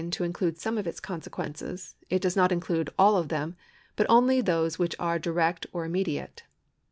§ 128] LIABILITY 327 include some of its consequences, it does not include all of them, but only those which are direct or immediate.